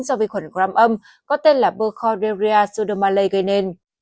do vi khuẩn gram âm có tên là bercorderia pseudomallei gây nên